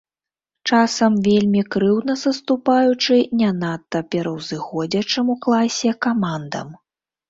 Часам вельмі крыўдна саступаючы не надта пераўзыходзячым у класе камандам.